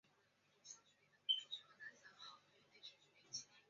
康宁汉生于美国俄亥俄州的辛辛那提市。